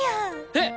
えっ！？